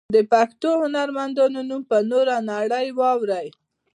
د پښتو هنرمندانو نوم به نوره نړۍ واوري.